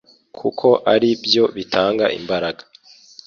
kuko ari byo bitanga imbaraga